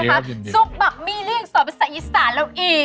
ให้กับเรานะครับสุขบับมีเรื่องสอบภาษาอีสานแล้วอีก